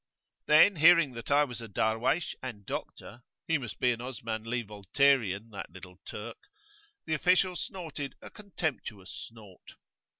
Then hearing that I was a Darwaysh and doctor he must be an Osmanli Voltairean, that little Turk the official snorted a contemptuous snort.